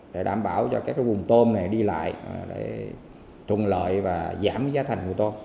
để đảm bảo cho các vùng tôm này đi lại để trùng lợi và giảm giá thành của tôm